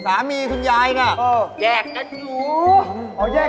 อ่าเพ็ดเข้าอันนะเทเลยไหม